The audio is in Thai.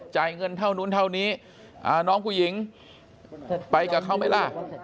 เงินเท่านู้นเท่านี้น้องผู้หญิงไปกับเขาไหมล่ะ